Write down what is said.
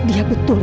iya betul ibu